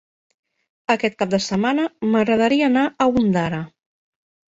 Aquest cap de setmana m'agradaria anar a Ondara.